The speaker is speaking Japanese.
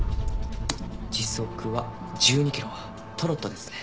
時速は１２キロトロットですね。